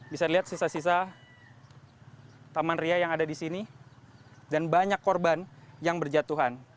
bisa dilihat sisa sisa taman ria yang ada di sini dan banyak korban yang berjatuhan